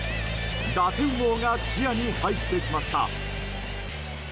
打点王が視野に入ってきました。